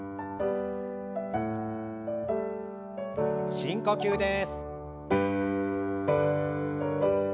深呼吸です。